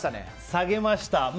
下げました。